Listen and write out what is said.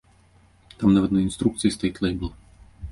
Там нават на інструкцыі стаіць лэйбл.